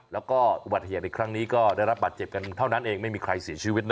แล้วก็อุบัติเหตุในครั้งนี้ก็ได้รับบาดเจ็บกันเท่านั้นเองไม่มีใครเสียชีวิตนะ